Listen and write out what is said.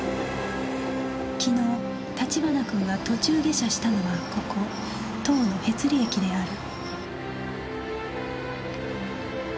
昨日立花君が途中下車したのはここ塔のへつり駅である